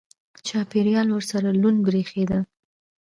چاپېریال ورسره لوند برېښېده.